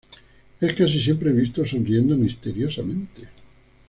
Es casi siempre visto sonriendo misteriosamente.